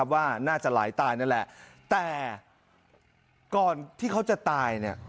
ว่าน่าจะไหลตายนั่นแหละแต่ก่อนที่เขาจะตายเนี่ย